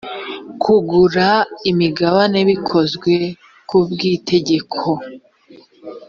kugura imigabane bikozwe ku bw itegeko